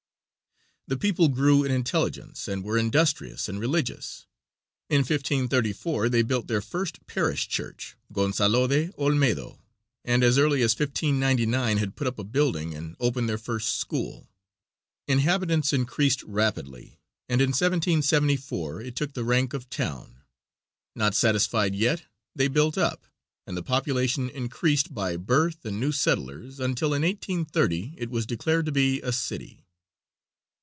The people grew in intelligence, and were industrious and religious. In 1534 they built their first parish church, Gonzalode Olmedo, and as early as 1599 had put up a building and opened their first school. Inhabitants increased rapidly, and in 1774 it took the rank of town. Not satisfied yet, they built up, and the population increased by birth and new settlers until in 1830 it was declared to be a city.